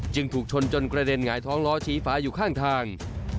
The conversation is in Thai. ถูกชนจนกระเด็นหงายท้องล้อชี้ฟ้าอยู่ข้างทาง